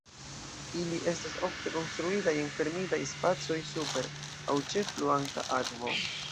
Ili estas ofte konstruitaj en fermitaj spacoj super, aŭ ĉe, fluanta akvo.